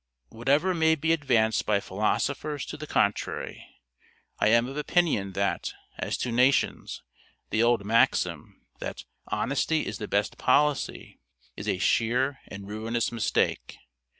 Whatever may be advanced by philosophers to the contrary, I am of opinion that, as to nations, the old maxim, that "honesty is the best policy," is a sheer and ruinous mistake.